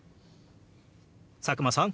佐久間さん